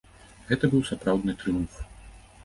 Гэта быў сапраўдны трыумф!